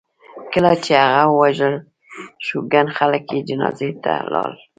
کله چې هغه ووژل شو ګڼ خلک یې جنازې ته لاړل.